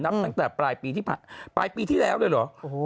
นับตั้งแต่ปลายปีที่แล้วเลยหรือ